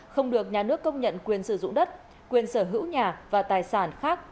không được nhà nước công nhận quyền sử dụng đất quyền sở hữu nhà và tài sản khác